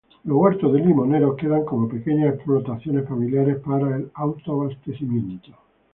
Los huertos de limoneros quedan como pequeñas explotaciones familiares para el autoabastecimiento.